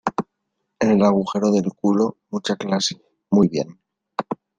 en el agujero del culo. mucha clase, muy bien .